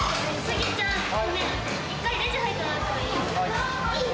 １回、レジ入ってもらってもはい。